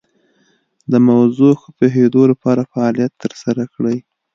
د موضوع ښه پوهیدو لپاره فعالیت تر سره کړئ.